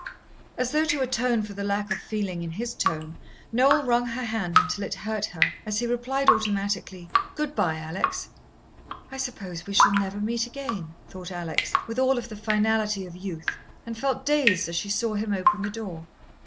As though to atone for the lack of feeling in his tone, Noel wrung her hand until it hurt her, as he replied automatically: "Good bye, Alex." "I suppose we shall never meet again," thought Alex, with all the finality of youth, and felt dazed as she saw him open the door.